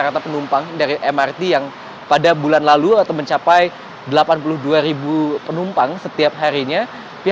kita bisa melihat